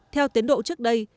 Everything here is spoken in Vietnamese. theo tiến độ trước đây